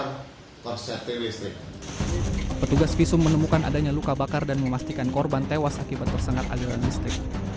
petugas visum menemukan adanya luka bakar dan memastikan korban tewas akibat tersengat aliran listrik